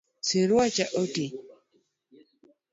Siruacha oti